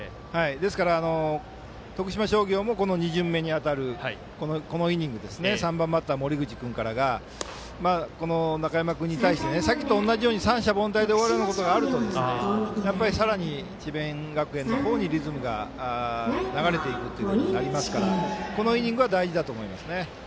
ですから徳島商業も２巡目にあたるこのイニング３番バッター、森口君からがこの中山君に対してさっきと同じように三者凡退で終わるようなことがあるとやっぱりさらに智弁学園の方にリズムが流れていくということになりますからこのイニングは大事だと思いますね。